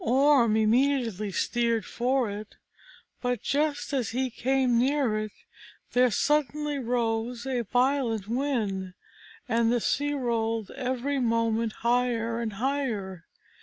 Orm immediately steered for it, but, just as he came near it, there suddenly rose a violent wind, and the sea rolled every moment higher and higher.